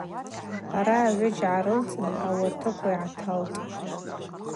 Араъа гӏвыджь гӏарылцӏын ауатыкв йгӏаталтӏ.